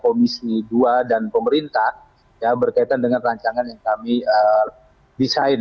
kami menetapkan hal tersebut di depan komisi dua dan pemerintah berkaitan dengan rancangan yang kami desain